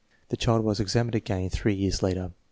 The child was examined again three years later.